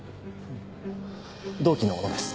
同期の小野です。